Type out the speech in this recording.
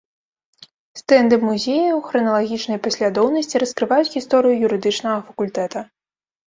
Стэнды музея ў храналагічнай паслядоўнасці раскрываюць гісторыю юрыдычнага факультэта.